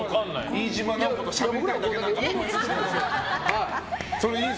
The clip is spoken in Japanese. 飯島直子としゃべりたいだけにしか。